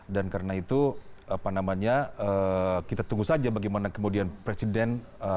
dan karena itu kita tunggu saja bagaimana kemudian presiden